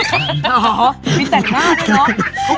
อ๋อให้แต่งหน้าด้วยเอง